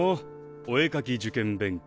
お絵描き受験勉強。